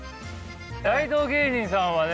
大道芸人さんはね